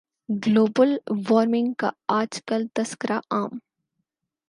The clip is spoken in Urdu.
گلوبل وارمنگ کا آج کل تذکرہ عام